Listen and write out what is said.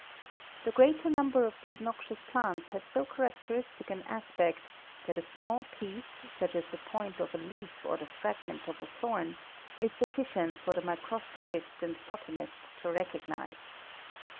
'The greater number of these noxious plants have so characteristic an aspect that a small piece such as the point of a leaf or the fragment of a thorn, is sutticient for the microscopist and botanist to recognise